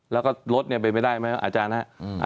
แล้วก็รถเนี่ยเป็นไปได้ไหมอาจารย์ครับ